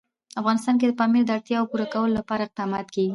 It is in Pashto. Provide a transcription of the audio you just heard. افغانستان کې د پامیر د اړتیاوو پوره کولو لپاره اقدامات کېږي.